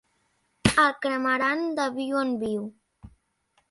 El cremaren de viu en viu.